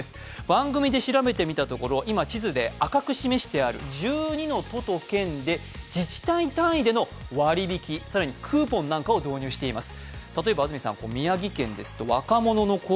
番組で調べたところ、今、地図で赤く示してある１２の都と県で自治体単位での割り引き、更にクーポンなんかを導入しています。